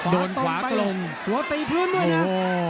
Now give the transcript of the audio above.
โดนขวาตรงหัวตีพื้นด้วยนะ